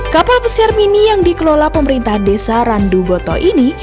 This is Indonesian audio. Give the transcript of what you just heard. kapal pesiar mini yang dikelola pemerintah desa randuboto ini